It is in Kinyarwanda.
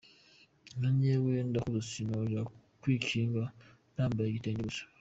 Nka jewe ndakuze sinoja kw’ikinga nambaye igitenge gusa.